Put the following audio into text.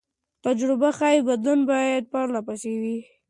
تجربه ښيي بدلون باید پرله پسې وي.